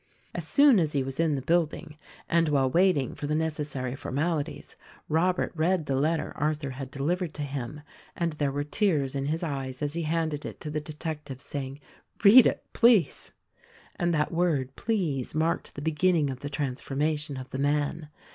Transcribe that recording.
As soon as he was in the building — and while waiting for the necessary formalities — Robert read the letter Arthur had delivered to him ; and there were tears in his eyes as he handed it to the detective saying, "Read it, please." And that word please marked the beginning of the transformation of the man.